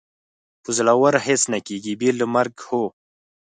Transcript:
په زړورو هېڅ نه کېږي، بې له مرګه، هو.